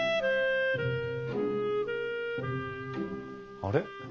あれ？